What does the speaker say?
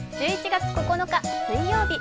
１１月９日水曜日。